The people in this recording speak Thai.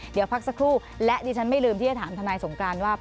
เดี๋ยวพักสักครู่และดิฉันไม่ลืมที่จะถามทนายสงการว่า